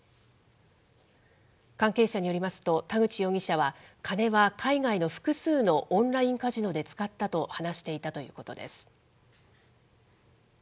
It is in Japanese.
関係者によりますと、田口容疑者は金は海外の複数のオンラインカジノで使ったと話していたということです。